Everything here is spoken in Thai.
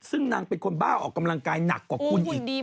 ซึ่งนางเป็นคนบ้าออกกำลังกายหนักกว่าคุณอีก